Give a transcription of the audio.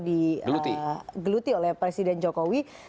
digeluti oleh presiden jokowi